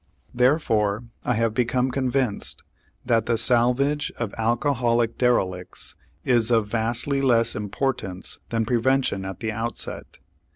Therefore I have become convinced that the salvage of alcoholic derelicts is of vastly less importance than prevention at the outset.